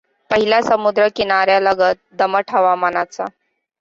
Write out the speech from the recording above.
पहिला, समुद्रकिनाऱ्यालग दमट हवामानाचा.